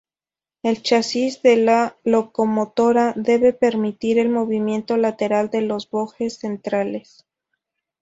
El chasis de la locomotora debe permitir el movimiento lateral de los bojes centrales.